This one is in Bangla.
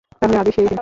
তাহলে আজই সেই দিন।